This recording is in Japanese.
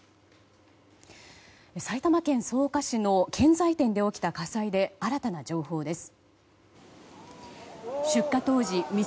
埼玉県草加市の建材店で起きた火災で新たな情報です。